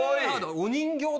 お人形だ。